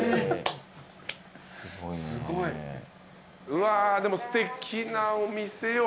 うわでもすてきなお店よ。